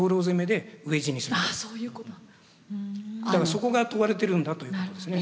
そこが問われてるんだということですね